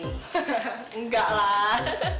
hahaha enggak lah